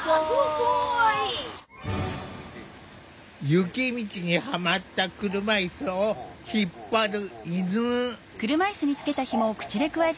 雪道にはまった車いすを引っ張る犬。